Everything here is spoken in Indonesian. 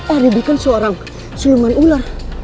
arindi kan seorang siluman ular